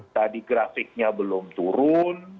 tadi grafiknya belum turun